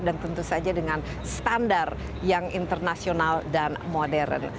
dan tentu saja dengan standar yang internasional dan modern